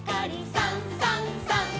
「さんさんさん」